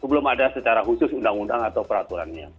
belum ada secara khusus undang undang atau peraturannya